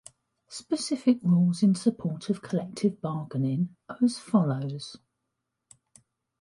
Specific rules in support of collective bargaining are as follows.